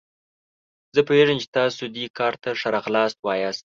زه پوهیږم چې تاسو دې کار ته ښه راغلاست وایاست.